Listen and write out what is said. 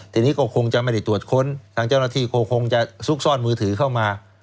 ทีนี้ก็คงจะไม่ได้ตรวจค้นทางเจ้าหน้าที่ก็คงจะซุกซ่อนมือถือเข้ามา